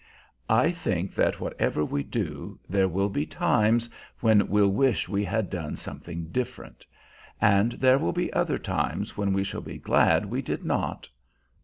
"I think that, whatever we do, there will be times when we'll wish we had done something different; and there will be other times when we shall be glad we did not.